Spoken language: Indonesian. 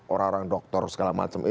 orang orang dokter segala macem